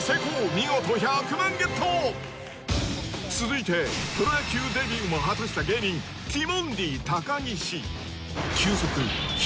見事１００万ゲット続いてプロ野球デビューも果たした芸人ティモンディ